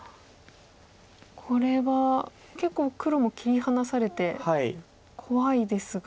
これは結構黒も切り離されて怖いですが。